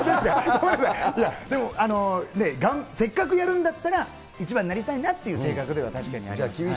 ごめんなさい、でもせっかくやるんだったら、一番になりたいなっていう性格では確かにあります。